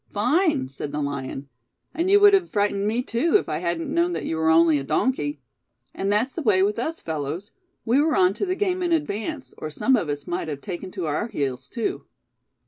'Fine,' said the lion, 'and you would have frightened me too, if I hadn't known that you were only a donkey.' And that's the way with us, fellows; we were on to the game in advance, or some of us might have taken to our heels too."